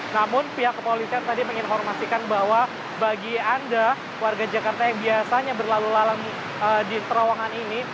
namun pihak kepolisian tadi menginformasikan bahwa bagi anda warga jakarta yang biasanya berlalu lalang di terowongan ini